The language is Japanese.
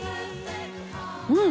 うん！